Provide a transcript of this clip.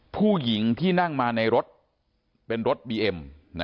ผู้หญิงที่นั่งมาในรถเป็นรถบีเอ็ม